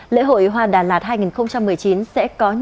lễ hội hoa đà lạt hai nghìn một mươi chín sẽ có nhiều lực lượng